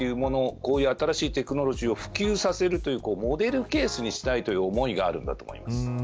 こういう新しいテクノロジーを普及させるというモデルケースにしたいという思いがあるんだと思います。